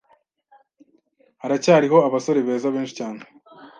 Haracyariho abasore beza benshi cyane